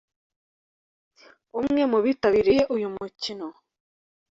umwe mu bitabiriye uyu mukino